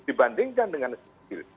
dibandingkan dengan sipil